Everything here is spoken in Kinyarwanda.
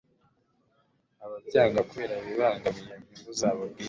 ababyanga kubera bibangamiye inyungu zabo bwite